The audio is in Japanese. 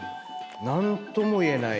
何とも言えない。